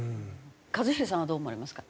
一茂さんはどう思われますか？